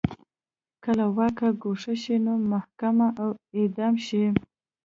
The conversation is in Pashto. که له واکه ګوښه شي نو محاکمه او اعدام شي